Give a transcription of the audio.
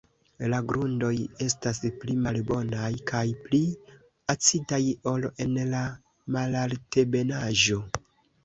La grundoj estas pli malbonaj kaj pli acidaj ol en la malaltebenaĵo.